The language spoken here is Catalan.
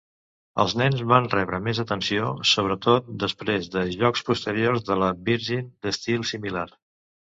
Els nens van rebre més atenció, sobretot després de jocs posteriors de la Virgin d'estil similar.